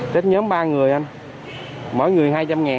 test nhóm ba người anh mỗi người hai trăm linh